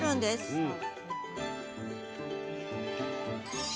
うん。